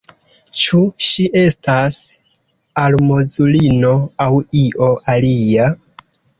Ĉu ŝi estas almozulino, aŭ io alia?